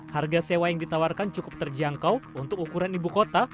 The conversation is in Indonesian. harga sewa yang ditawarkan cukup terjangkau untuk ukuran ibu kota